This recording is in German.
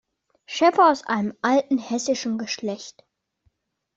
Scheffer aus einem alten hessischen Geschlecht.